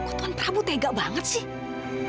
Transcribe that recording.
loh kok tuan prabu tega banget sih